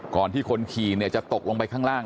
ก่อนที่คนขี่จะตกลงไปข้างล่าง